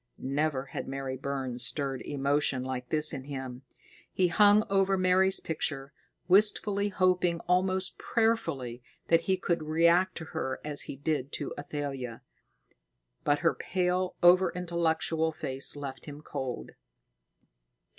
Never had Mary Burns stirred emotion like this in him. He hung over Mary's picture, wistfully, hoping almost prayerfully that he could react to her as he did to Athalia; but her pale, over intellectual face left him cold.